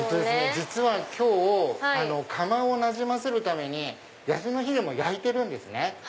実は今日窯をなじませるために休みの日でも焼いてるんですね。